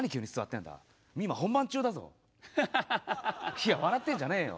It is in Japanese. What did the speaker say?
いや笑ってんじゃねえよ。